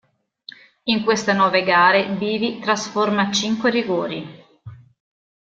In queste nove gare Bivi trasforma cinque rigori.